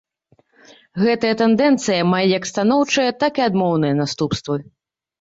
Гэтая тэндэнцыя мае як станоўчыя, так і адмоўныя наступствы.